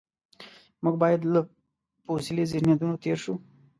موږ باید له فوسیلي ذهنیتونو تېر شو.